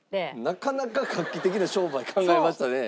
なかなか画期的な商売考えましたね。